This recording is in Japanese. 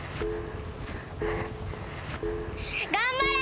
頑張れ！